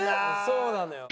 そうなのよ。